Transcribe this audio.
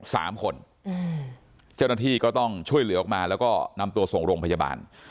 สามคนอืมเจ้าหน้าที่ก็ต้องช่วยเหลือออกมาแล้วก็นำตัวส่งโรงพยาบาล